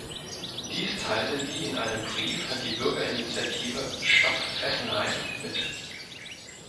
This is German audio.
Dies teilte sie in einem Brief an die Bürgerinitiative „Stopp Fessenheim“ mit.